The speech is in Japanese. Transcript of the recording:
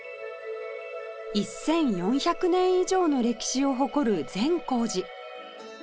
１４００年以上の歴史を誇る善光寺